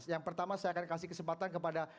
yang pertama saya akan kasih kesempatan kepada